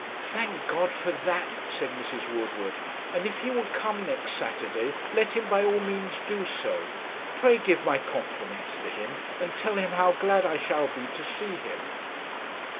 'Thank God for that!' said Mrs. Woodward,' and if he will come next Saturday, let him by all means do so. Pray give my compliments to him, and tell him how glad I shall be to see him.'